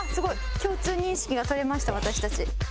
共通認識が取れました私たち。